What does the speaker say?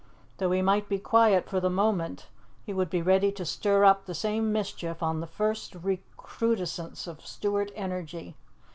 Though he might be quiet for the moment, he would be ready to stir up the same mischief on the first recrudescence of Stuart energy.